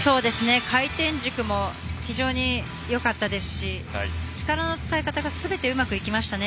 回転軸も非常によかったですし力の使い方がすべてうまくいきましたね。